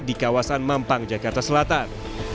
di kawasan mampang jakarta selatan